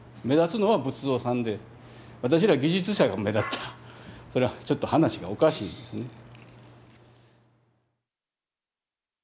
目立つのは仏像さんで私ら技術者が目立ったらそれはちょっと話がおかしいんですね。